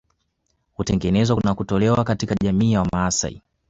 Hutengenezwa na kutolewa katika jamii ya Wamasai